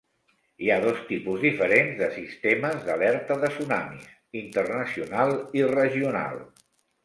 Hi ha dos tipus diferents de sistemes d'alerta de tsunamis: internacional i regional.